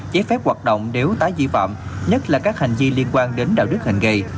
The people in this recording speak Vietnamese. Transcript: giấy phép hoạt động nếu tái di phạm nhất là các hành vi liên quan đến đạo đức hành nghề